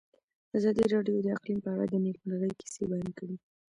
ازادي راډیو د اقلیم په اړه د نېکمرغۍ کیسې بیان کړې.